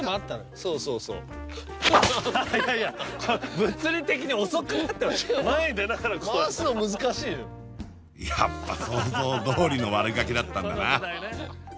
そうそうそういやいや物理的に遅くなってます前に出ながらこうやって回すの難しいよやっぱ想像どおりの悪ガキだったんだな